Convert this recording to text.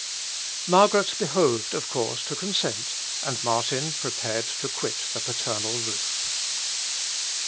Margaret behoved, of course, to consent, and Martin prepared to quit the paternal roof.